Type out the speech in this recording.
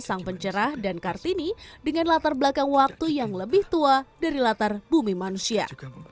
sang pencerah dan kartini dengan latar belakang waktu yang lebih tua dari latar bumi manusia